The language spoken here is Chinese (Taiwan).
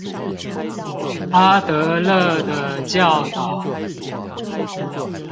阿德勒的教導